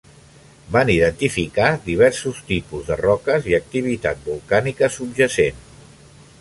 Van identificar diversos tipus de roques i activitat volcànica subjacent.